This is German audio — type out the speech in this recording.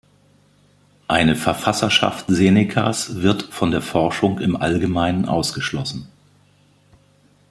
Eine Verfasserschaft Senecas wird von der Forschung im Allgemeinen ausgeschlossen.